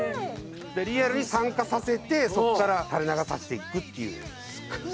リアルに酸化させてそこから垂れ流させていくっていう感じで。